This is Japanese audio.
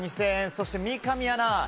そして、三上アナ